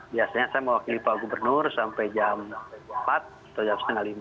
biasanya saya mewakili pak gubernur sampai jam empat atau jam setengah lima